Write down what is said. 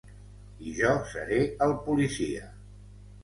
I jo seré el policia.